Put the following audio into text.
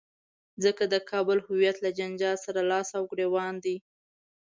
ځکه د کابل هویت له جنجال سره لاس او ګرېوان دی.